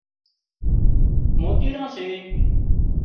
موتيڙان سي